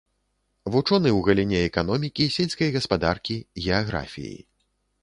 Вучоны ў галіне эканомікі, сельскай гаспадаркі, геаграфіі.